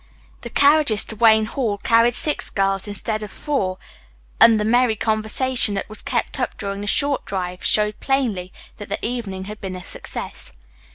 The carriages to Wayne Hall carried six girls instead of four, and the merry conversation that was kept up during the short drive showed plainly that the evening had been a success.